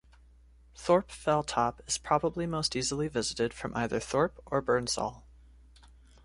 Thorpe Fell Top is probably most easily visited from either Thorpe or Burnsall.